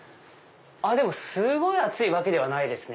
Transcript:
でもすごい熱いわけではないですね。